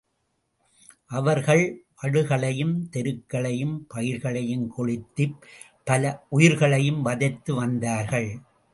அவர்கள் வடுகளையும் தெருக்களையும் பயிர்களையும் கொளுத்திப் பல உயிர்களையும் வதைத்து வந்தார்கள்.